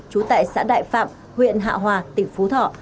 trú tại xã đại phạm huyện hạ hòa tỉnh phú thọ